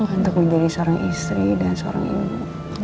untuk menjadi seorang istri dan seorang ibu